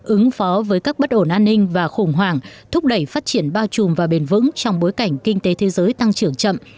ứng phó với các bất ổn an ninh và khủng hoảng thúc đẩy phát triển bao trùm và bền vững trong bối cảnh kinh tế thế giới tăng trưởng chậm